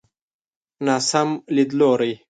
ناسم ليدلوری.